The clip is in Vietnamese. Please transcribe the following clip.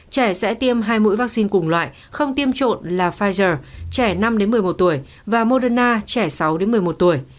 trẻ sẽ tiêm hai mũi vaccine cùng loại không tiêm trộn là pfizer trẻ năm một mươi một tuổi và moderna trẻ sáu một mươi một tuổi